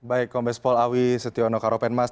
baik kompes polawi setiawono karopenmas